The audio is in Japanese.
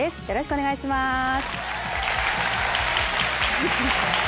よろしくお願いします。